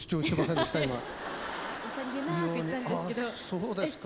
そうですか？